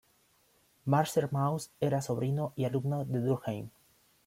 Marcel Mauss era sobrino y alumno de Durkheim.